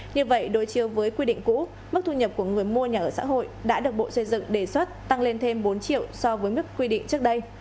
như vậy đối chiếu với quy định cũ mức thu nhập của người mua nhà ở xã hội đã được bộ xây dựng đề xuất tăng lên thêm bốn triệu so với mức quy định trước đây